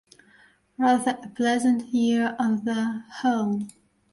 Rather a pleasant year on the whole!